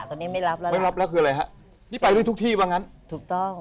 ตอนนี้ไม่รับแล้วไม่รับแล้วคืออะไรฮะนี่ไปด้วยทุกที่ว่างั้นถูกต้อง